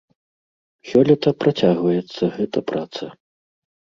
Сёлета працягваецца гэта праца.